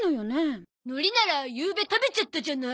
のりならゆうべ食べちゃったじゃない。